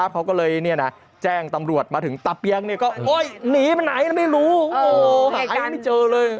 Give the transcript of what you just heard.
เขาก็เลยแจ้งตำรวจมาถึงตะเปียงก็หนีมาไหนแล้วไม่รู้หาใครไม่เจอเลย